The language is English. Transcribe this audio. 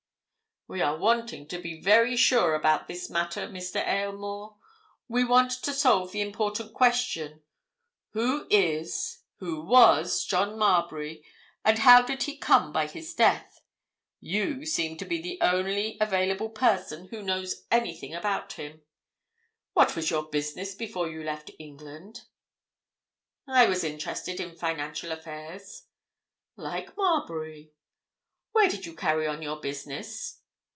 "We are wanting to be very sure about this matter, Mr. Aylmore. We want to solve the important question—who is, who was John Marbury, and how did he come by his death? You seem to be the only available person who knows anything about him. What was your business before you left England?" "I was interested in financial affairs." "Like Marbury. Where did you carry on your business?"